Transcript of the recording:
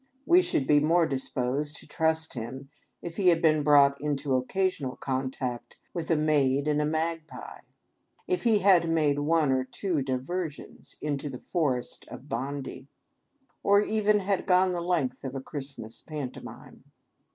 We should be more disposed to trust him if he had been brought into occasional contact with a Maid and a Magpie; if he had made one or two diversions into the Forest of Bondy ; or had even gone the length of a Christ mas Pantomime.